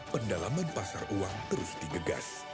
pendalaman pasar uang terus digegas